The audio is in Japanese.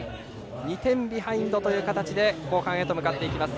２点ビハインドという形で後半へと向かっていきます。